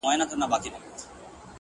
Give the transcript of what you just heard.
خلګ وایې شعر دی زه وام نه د زړو خبري دي,